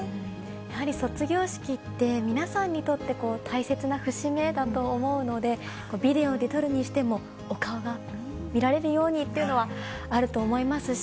やはり卒業しきって、皆さんにとって大切な節目だと思うので、ビデオで撮るにしても、お顔が見られるようにっていうのはあると思いますし。